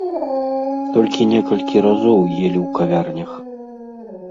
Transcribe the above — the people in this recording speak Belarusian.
Толькі некалькі разоў елі ў кавярнях.